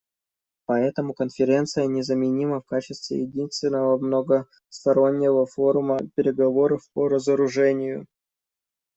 Поэтому Конференция незаменима в качестве единственного многостороннего форума переговоров по разоружению.